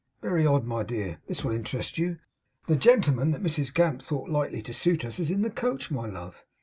Very odd. My dear, this will interest you. The gentleman that Mrs Gamp thought likely to suit us is in the coach, my love.